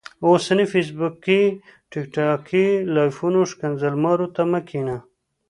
اوسنيو فيسبوکي ټیک ټاکي لايفونو ښکنځل مارو ته مه کينه